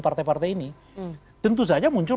partai partai ini tentu saja muncul